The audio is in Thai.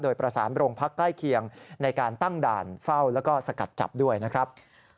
โดยประสานโรงพักใกล้เคียงในการตั้งด่านเฝ้าแล้วก็สกัดจับด้วยนะครับ